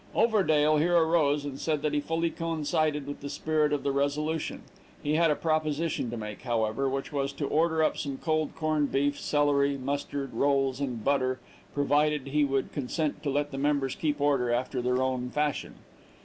Overdale here arose and said that he fully coincided with the spirit of the resolution; he had a proposition to make, however, which was to order up some cold corned beef, celery, mustard, rolls, and butter, provided he would consent to let the members keep order after their own fashion.